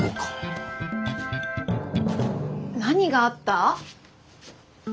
何があった？